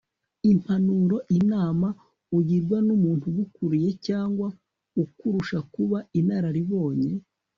impanuro inama ugirwa n'umuntu ugukuriye cyangwa ukurusha kuba inararibonye